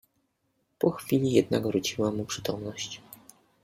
Po chwili jednak wróciła mu przytomność.